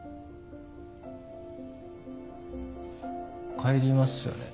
帰りますよね。